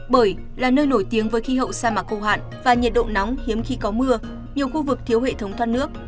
bởi là nơi nổi tiếng với khí hậu sa mạc khô hạn và nhiệt độ nóng hiếm khi có mưa nhiều khu vực thiếu hệ thống thoát nước